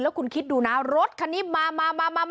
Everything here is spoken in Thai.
คุณคิดดูนะรถคันนี้มามา